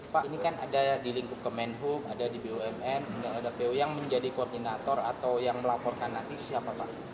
pak ini kan ada di lingkup kemenhub ada di bumn kemudian ada pu yang menjadi koordinator atau yang melaporkan nanti siapa pak